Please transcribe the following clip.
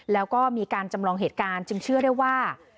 แล้วก็มีการจำลองเหตุการณ์จึงเชื่อได้ว่า